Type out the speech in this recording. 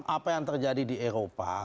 apa yang terjadi di eropa